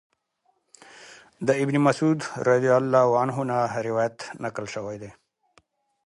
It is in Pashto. د ابن مسعود رضی الله عنه نه روايت نقل شوی